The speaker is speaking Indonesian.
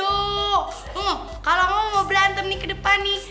uh kalau kamu mau berantem nih ke depan nih